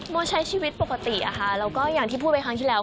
โมใช้ชีวิตปกติอะค่ะแล้วก็อย่างที่พูดไปครั้งที่แล้ว